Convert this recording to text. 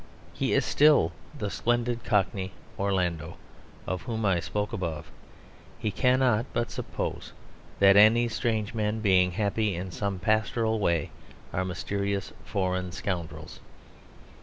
He is still the splendid Cockney Orlando of whom I spoke above; he cannot but suppose that any strange men, being happy in some pastoral way, are mysterious foreign scoundrels.